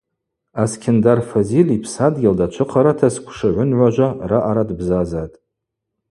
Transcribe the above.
Аскьындар Фазиль йпсадгьыл дачвыхъарата сквшы гӏвынгӏважва раъара дбзазатӏ.